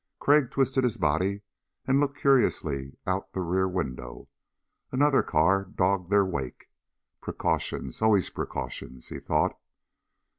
Crag twisted his body and looked curiously out the rear window. Another car dogged their wake. Precautions, always precautions, he thought.